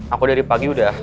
aku dari pagi udah